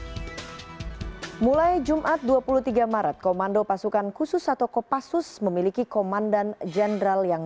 hai mulai jumat dua puluh tiga maret komando pasukan khusus atau kopassus memiliki komandan jenderal yang